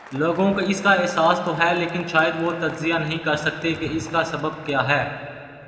لوگوں کواس کا احساس تو ہے لیکن شاید وہ تجزیہ نہیں کر سکتے کہ اس کا سبب کیا ہے۔